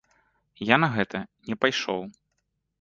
Я на гэта не пайшоў.